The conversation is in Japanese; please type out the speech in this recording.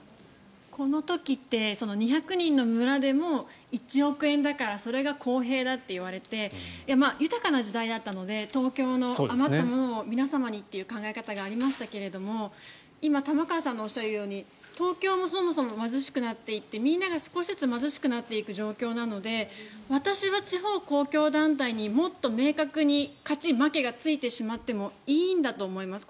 この時って２００人の村でも１億円だからそれが公平だって言われて豊かな時代だったので東京の余ったものを皆様にという考え方がありましたが今、玉川さんのおっしゃるように東京もそもそも貧しくなっていてみんなが少しずつ貧しくなっていく状況なので私は地方公共団体にもっと明確に勝ち負けがついてしまってもいいんだと思います。